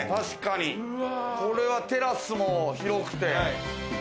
確かにこれはテラスも広くて。